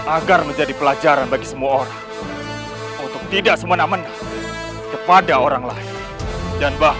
agar menjadi pelajaran bagi semua orang untuk tidak semena mena kepada orang lain